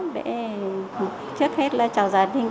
để trước hết là cho gia đình